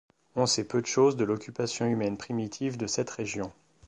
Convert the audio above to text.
On sait peu de choses de l’occupation humaine primitive de cette région.